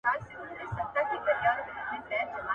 ما په کړوپه ملا کړه ځان ته د توبې دروازه بنده